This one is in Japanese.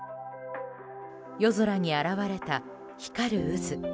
夜空に現れた光る渦。